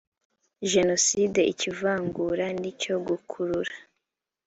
jenoside icyivangura n icyo gukurura